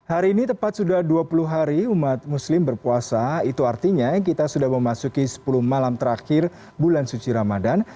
hari ini tepat sudah dua puluh hari umat muslim berpuasa itu artinya kita sudah memasuki sepuluh malam terakhir bulan suci ramadan